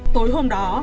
tối hôm đó